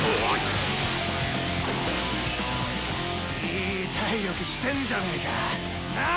いーい体力してんじゃねーかぁ。